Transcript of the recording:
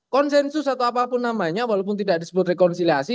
konsensus atau apapun namanya walaupun tidak disebut rekonsiliasi